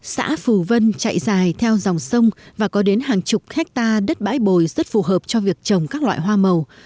xã phù vân chạy dài theo dòng sông và có đến hàng chục hectare đất bãi bồi rất phù hợp cho việc trồng các loại hoa màu